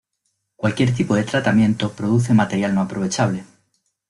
Cualquier tipo de tratamiento produce material no aprovechable.